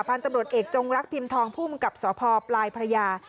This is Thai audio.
พันธุ์ตำรวจเอกจงรักพิมพ์ทองภูมิกับสพปลายพระยา